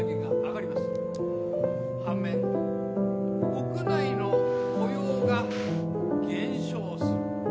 反面国内の雇用が減少する。